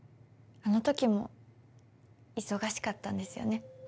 あのときも忙しかったんですよね。